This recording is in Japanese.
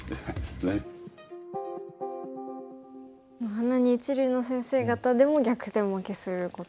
あんなに一流の先生方でも逆転負けすることもあるんですね。